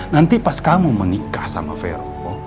nanti pas kamu menikah sama vero